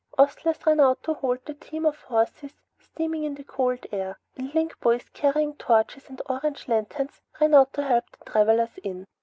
Ostlers ran out to hold the team of horses steaming in the cool night air, and linkboys carrying torches and orange lanterns ran out to help the travelers in.